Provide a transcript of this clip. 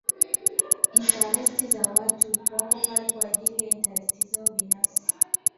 interest za watu wako pale kwajili ya interest zao binafsi